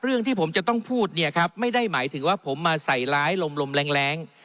เรื่องที่ผมจะต้องพูดเนี่ยครับไม่ได้หมายถึงว่าผมมาใส่ร้ายลมลมแรง